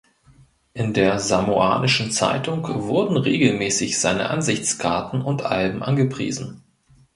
In der "Samoanischen Zeitung" wurden regelmäßig seine Ansichtskarten und Alben angepriesen.